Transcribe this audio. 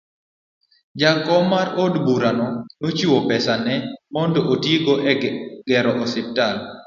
Jakom mar od burano nochiwo pesane mondo otigo e gero osiptal